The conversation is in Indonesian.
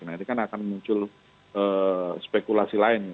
nah ini kan akan muncul spekulasi lain